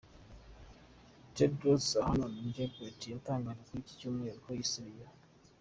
Tedros Adhanom Ghebreyesus, yatangaje kuri iki cyumweru ko yisubiyeho.